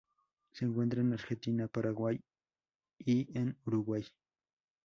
Se encuentra en Argentina, Paraguay y en Uruguay.